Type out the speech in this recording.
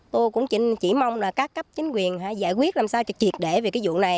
tôi cũng chỉ mong là các cấp chính quyền giải quyết làm sao trực triệt để về cái vụ này